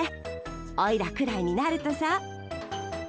おいらくらいになるとさ。